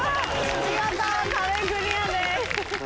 見事壁クリアです。